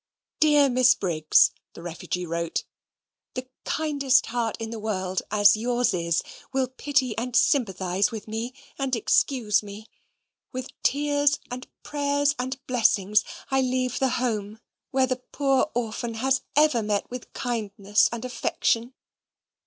Dear Miss Briggs [the refugee wrote], the kindest heart in the world, as yours is, will pity and sympathise with me and excuse me. With tears, and prayers, and blessings, I leave the home where the poor orphan has ever met with kindness and affection.